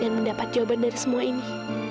dan mendapat jawaban dari semua ini